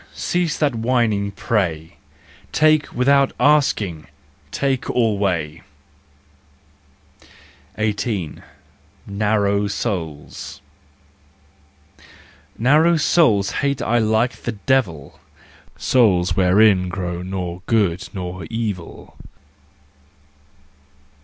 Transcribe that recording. Cease that whining, pray! Take without asking, take alway! 18. Narrow Souls. Narrow souls hate I like the devil, Souls wherein grows nor good nor evil.